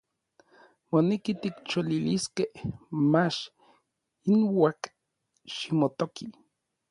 Moneki tikcholiliskej, mach inauak ximotoki.